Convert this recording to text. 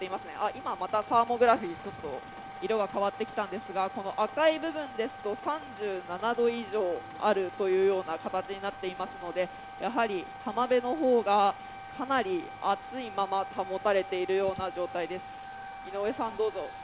今またサーモグラフィー色が変わってきたんですがこの赤い部分ですと、３７度以上あるというような形になっていますので浜辺の方がかなり暑いまま保たれているような状態です。